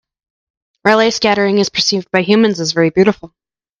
Raleigh scattering is perceived by humans as very beautiful.